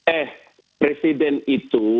eh presiden itu